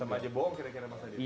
sama aja bohong kira kira mas adib